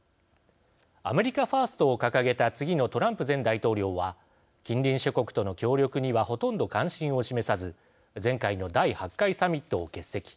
アメリカファーストを掲げた次のトランプ前大統領は近隣諸国との協力にはほとんど関心を示さず前回の第８回サミットを欠席。